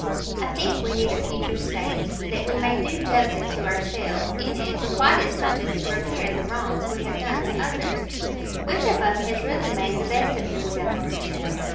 "I think we need a future state that we may do justice to ourselves in it quite as much as to repair the wrongs we may have done to others. Which of us has really made the best of himself or herself?